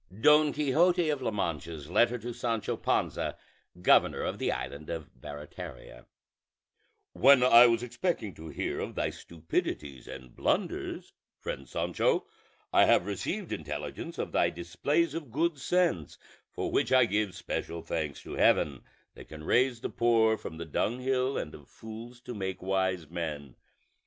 DON QUIXOTE OF LA MANCHA'S LETTER TO SANCHA PANZA, GOVERNOR OF THE ISLAND OF BARATARIA "When I was expecting to hear of thy stupidities and blunders, friend Sancho, I have received intelligence of thy displays of good sense; for which I give special thanks to Heaven, that can raise the poor from the dunghill and of fools to make wise men.